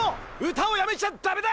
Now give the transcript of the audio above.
歌をやめちゃだめだ！